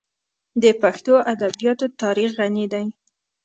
د پښتو ادبیاتو تاریخ غني دی.